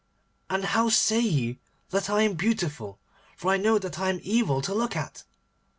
And how say ye that I am beautiful, for I know that I am evil to look at?